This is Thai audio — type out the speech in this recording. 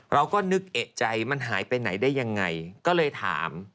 เราก็นึกเอกใจมันหายไปไหนได้ยังไงก็เลยถาม